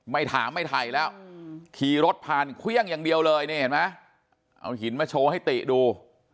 ไม่ถามไม่ไถแล้วขี่รถผ่านเครื่องอย่างเดียวเลยเอาหินมาโชว์ให้ติดู